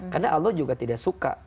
karena allah juga tidak suka